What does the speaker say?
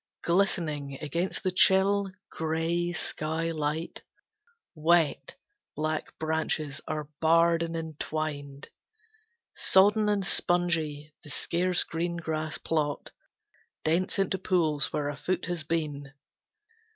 Glistening, against the chill, gray sky light, Wet, black branches are barred and entwined. Sodden and spongy, the scarce green grass plot Dents into pools where a foot has been.